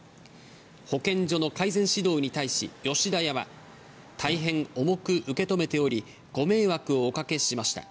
保健所の改善指導に対し、吉田屋は大変重く受け止めており、ご迷惑をおかけしました。